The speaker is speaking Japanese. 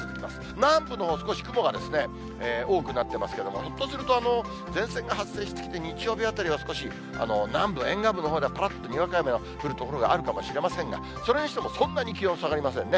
南部のほう、少し雲が多くなってますけれども、ひょっとすると、前線が発生してきて日曜日あたりは少し南部、沿岸部のほうでは、ぱらっとにわか雨が降る所があるかもしれませんが、それにしても、そんなに気温下がりませんね。